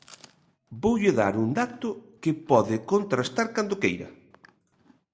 Voulle dar un dato que pode contrastar cando queira.